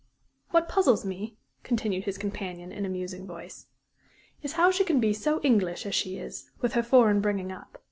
"What puzzles me," continued his companion, in a musing voice, "is how she can be so English as she is with her foreign bringing up.